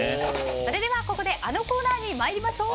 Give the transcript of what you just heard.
それでは、ここであのコーナーに参りましょう。